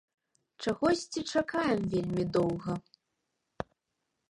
Чагосьці чакаем вельмі доўга.